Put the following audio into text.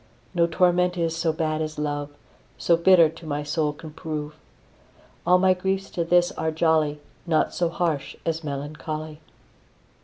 No torment is so bad as love, So bitter to my soul can prove. All my griefs to this are jolly, Naught so harsh as melancholy.